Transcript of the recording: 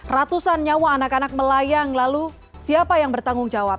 ratusan nyawa anak anak melayang lalu siapa yang bertanggung jawab